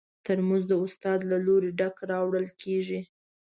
ترموز د استاد له لوري ډک راوړل کېږي.